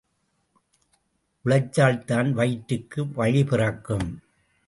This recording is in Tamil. உழைச்சால்தான் வயிற்றுக்கு வழிபிறக்கும்!...